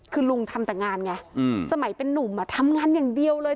คือลุงทำแต่งานไงสมัยเป็นนุ่มทำงานอย่างเดียวเลย